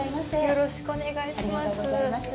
よろしくお願いします。